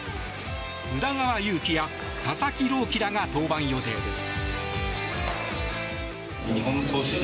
宇田川優希や佐々木朗希らが登板予定です。